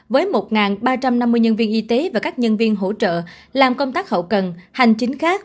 với một ba trăm năm mươi nhân viên y tế và các nhân viên hội